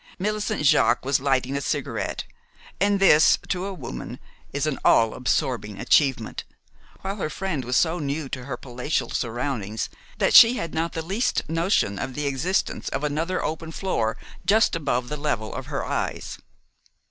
Millicent Jaques was lighting a cigarette, and this, to a woman, is an all absorbing achievement, while her friend was so new to her palatial surroundings that she had not the least notion of the existence of another open floor just above the level of her eyes.